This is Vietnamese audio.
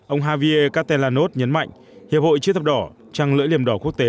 ông javier catellanos nhấn mạnh hiệp hội chữ thập đỏ trăng lưỡi liềm đỏ quốc tế